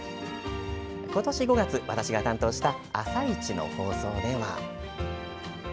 今年５月、私が担当した「あさイチ」の放送では。